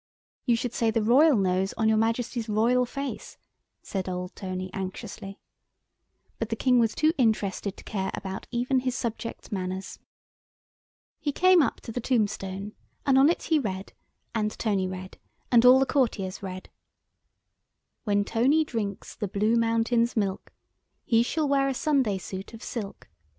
"You should say the royal nose on your Majesty's royal face," said old Tony anxiously. But the King was too interested to care about even his subjects' manners. [Illustration: OFF THEY ALL WENT, KING, COURT, AND MEN AT ARMS.] He came up to the tombstone, and on it he read, and Tony read, and all the courtiers read:— "When Tony drinks the Blue Mountain's milk He shall wear a Sunday suit of silk.